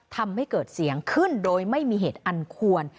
ทำให้เกิดเสียงขึ้นโดยไม่มีเหตุอันควร